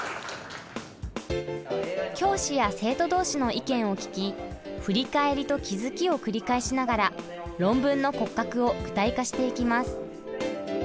教師や生徒同士の意見を聞き「振り返りと気付き」を繰り返しながら論文の骨格を具体化していきます。